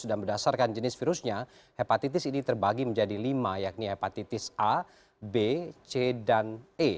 dan berdasarkan jenis virusnya hepatitis ini terbagi menjadi lima yakni hepatitis a b c dan e